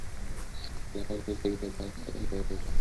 যাহা কিছু আমরা করি না কেন, তাহার ফল আমাদিগকে ভোগ করিতে হয়।